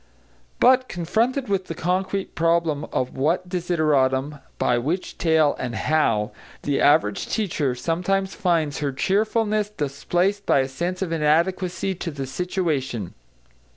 But, confronted with the concrete problem of what desideratum by which tale, and how, the average teacher sometimes finds her cheerfulness displaced by a sense of inadequacy to the situation.